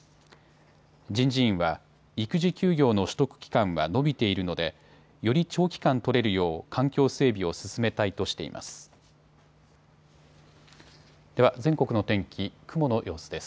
人事院は育児休業の取得期間は伸びているのでより長期間取れるよう環境整備を進めたいとしています。